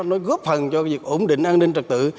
nó góp phần cho việc ổn định an ninh trật tự